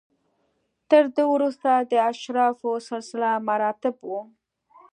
تر ده وروسته د اشرافو سلسله مراتب و.